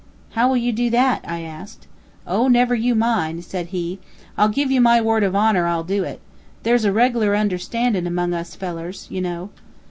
"How will you do that?" I asked. "Oh, never you mind," said he. "I'll give you my word of honor I'll do it. There's a reg'lar understandin' among us fellers, you know."